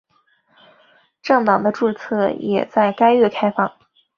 政党的注册也在该月开放。